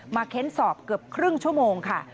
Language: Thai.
เค้นสอบเกือบครึ่งชั่วโมงค่ะ